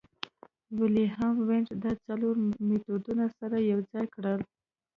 ویلهیلم وونت دا څلور مېتودونه سره یوځای کړل